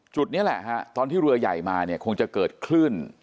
นี่แหละฮะตอนที่เรือใหญ่มาเนี่ยคงจะเกิดคลื่น